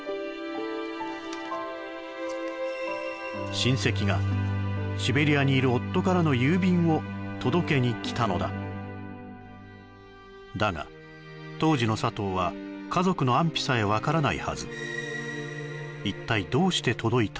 親戚がシベリアにいる夫からの郵便を届けに来たのだだが当時の佐藤は家族の安否さえ分からないはず